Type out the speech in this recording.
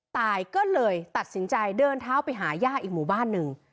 ตายก็เลยตัดสินใจเดินเท้าไปหาย่าอีกหมู่บ้านหนึ่ง